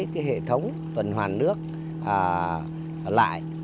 cái hệ thống tuần hoàn nước lại